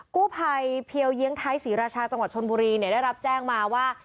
กู้ภัยเพียวเยียงไทยศรีราชาจังหวัดชนบุรีเนี่ยได้รับแจ้งมาว่า